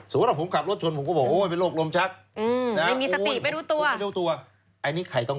สมมุติผมกลับรถชนผมกะบข้าง